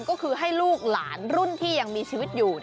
ก็คือให้ลูกหลานรุ่นที่ยังมีชีวิตอยู่